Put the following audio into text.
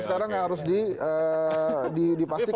sekarang harus dipastikan